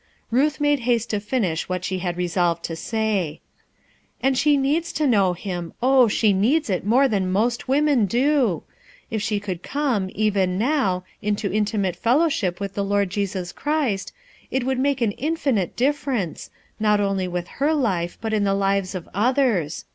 Ruth made haste to finish what she had re solved to say. "And she needs to know Him ; oh! she needs it more than most women do. If she could come, even now, into intimate fellowship with the Lord Jesus Christ, it would make an infinite difference, not only with her life, but in the lives of others.